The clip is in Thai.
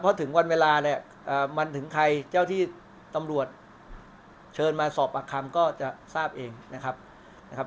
เพราะถึงวันเวลาเนี่ยมันถึงใครเจ้าที่ตำรวจเชิญมาสอบปากคำก็จะทราบเองนะครับ